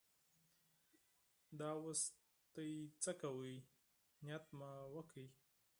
دا اوس تاسې څه کوئ؟ نیت مې وکړ.